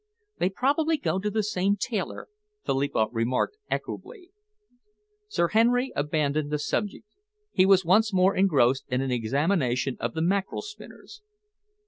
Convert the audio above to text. "They probably go to the same tailor," Philippa remarked equably. Sir Henry abandoned the subject. He was once more engrossed in an examination of the mackerel spinners.